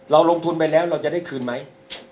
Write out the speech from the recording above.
ลงทุนไปแล้วเราจะได้คืนไหม